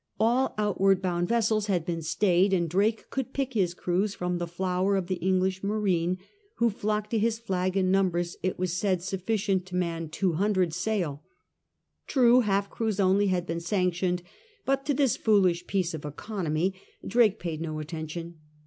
All outward bound vessels had been stayed, and Drake could pick his crews from the flower of the English marine, who flocked to his flag in numbers, it was said, sufficient to man two hundred sail. True, half crews only had been sanctioned, but to this foolish piece of economy Drake paid no attention.